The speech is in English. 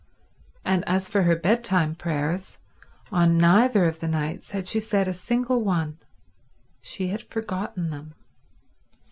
And as for her bedtime prayers, on neither of the nights had she said a single one. She had forgotten them.